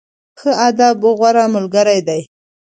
ښه ادب، غوره ملګری دی.